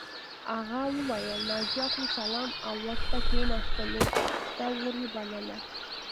هغه وویل ناجیه خور سلام او ورته کښېناستلو ته ور وبلله